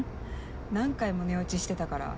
何回も寝落ちしてたから。